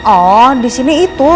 oh disini itu